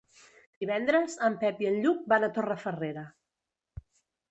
Divendres en Pep i en Lluc van a Torrefarrera.